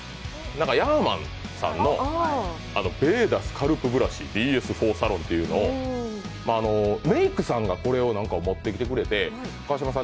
ヤーマンさんのヴェーダスカルプブラシＢＳｆｏｒＳａｌｏｎというのをメークさんがこれを持ってきてくれて、川島さん